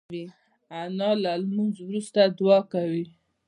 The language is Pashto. انا له لمونځ وروسته دعا کوي